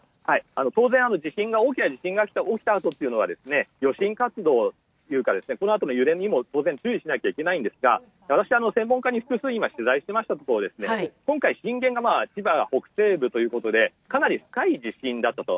当然、大きな地震が起きたあとというのは余震活動、このあとの揺れにも当然注意しなければいけませんが私が専門家に複数、今取材しましたところ今回、震源が千葉北西部ということでかなり深い地震だったと。